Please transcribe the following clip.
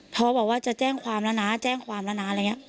พอบอกว่าจะแจ้งความแล้วนะแจ้งความแล้วนะอะไรอย่างนี้